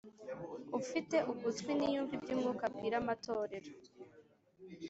“Ufite ugutwi niyumve ibyo Umwuka abwira amatorero.”